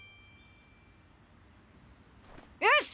よし！